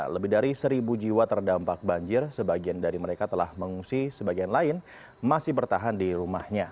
lebih dari seribu jiwa terdampak banjir sebagian dari mereka telah mengungsi sebagian lain masih bertahan di rumahnya